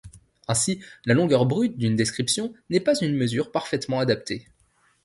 Ainsi la longueur brute d'une description n'est pas une mesure parfaitement adaptée.